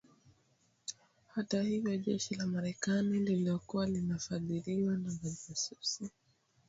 Hata hivyo jeshi la Marekani lililokuwa linafadhiriwa na majasusi